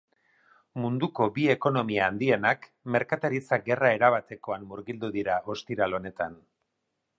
Munduko bi ekonomia handienak merkataritza gerra erabatekoan murgildu dira ostiral honetan.